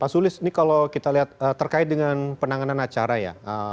pak sulis ini kalau kita lihat terkait dengan penanganan acara ya